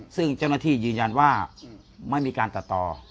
ซึ่งเจ้าหน้าที่ยืนยันว่าไม่มีการตัดต่อ